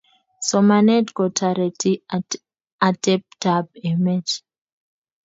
Somanet kotareti ateptab emet